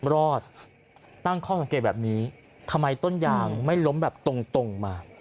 รอดตั้งข้อสังเกตแบบนี้ทำไมต้นยางไม่ล้มแบบตรงมา